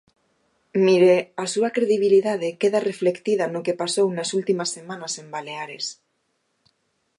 Mire, a súa credibilidade queda reflectida no que pasou nas últimas semanas en Baleares.